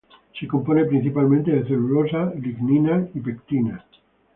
Se compone principalmente de celulosa, lignina y pectina.